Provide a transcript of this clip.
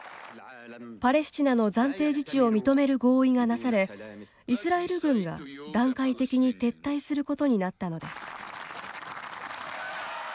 パレスチナの暫定自治を認める合意がなされイスラエル軍が段階的に撤退することになったのです。